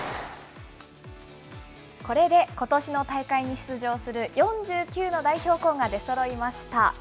これでことしの大会に出場する４９の代表校が出そろいました。